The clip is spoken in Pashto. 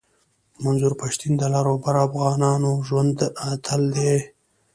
منظور پشتین د لر او بر افغانانو ژوندی اتل دی